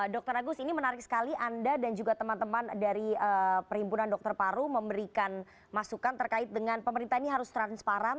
dr agus ini menarik sekali anda dan juga teman teman dari perhimpunan dokter paru memberikan masukan terkait dengan pemerintah ini harus transparan